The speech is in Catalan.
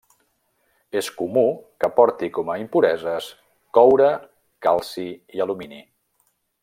És comú que porti com a impureses: coure, calci i alumini.